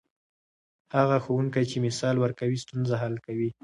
هغه ښوونکی چې مثال ورکوي، ستونزه حل کوي.